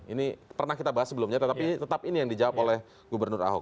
ini pernah kita bahas sebelumnya tetapi tetap ini yang dijawab oleh gubernur ahok